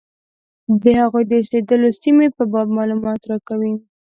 د هغوی د اوسېدلو سیمې په باب معلومات راکوي.